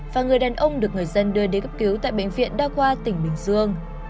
và người đàn ông được người dân đưa đi cấp cứu tại bệnh viện đa khoa tỉnh bình dương